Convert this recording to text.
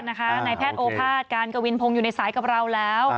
นายแพทย์โอภาษย์การกวินพงศ์อยู่ในสายกับเราแล้ว